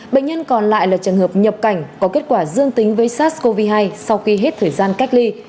bệnh nhân còn lại là trường hợp nhập cảnh có kết quả dương tính với sars cov hai sau khi hết thời gian cách ly